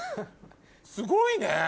すごいね！